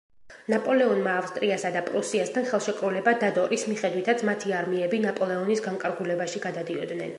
ნაპოლეონმა ავსტრიასა და პრუსიასთან ხელშეკრულება დადო, რის მიხედვითაც მათი არმიები ნაპოლეონის განკარგულებაში გადადიოდნენ.